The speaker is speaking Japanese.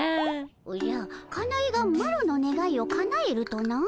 おじゃかなえがマロのねがいをかなえるとな？